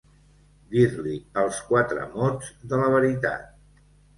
Dir-li els quatre mots de la veritat.